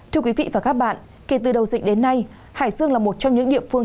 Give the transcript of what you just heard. thưa quý vị và các bạn kể từ đầu dịch đến nay hải dương là một trong những địa phương